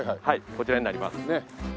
こちらになります。